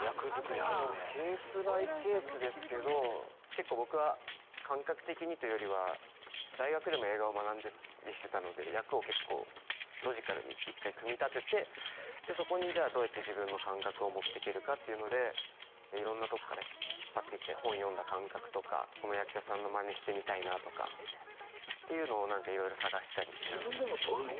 いやもうケース・バイ・ケースですけど結構僕は感覚的にというよりは大学でも映画を学んでしてたので役を結構ロジカルに一回組み立ててそこにどうやって自分の感覚を持っていけるかっていうので色んなとこから引っ張ってきて本読んだ感覚とかこの役者さんのマネしてみたいなとかっていうのを何か色々探したりしながら自分でも撮るの？